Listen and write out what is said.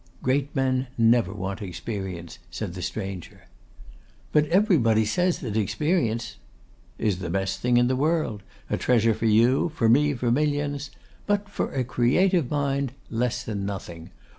'Great men never want experience,' said the stranger. 'But everybody says that experience ' 'Is the best thing in the world, a treasure for you, for me, for millions. But for a creative mind, less than nothing.